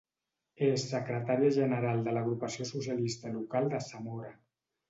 És secretària general de l'agrupació socialista local de Zamora.